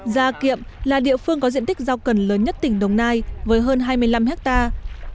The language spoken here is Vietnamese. gia kiệm là địa phương có diện tích rau cần lớn nhất tỉnh đồng nai với hơn hai mươi năm hectare